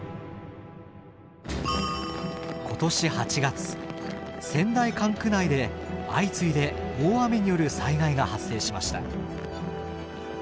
今年８月仙台管区内で相次いで大雨による災害が発生しました。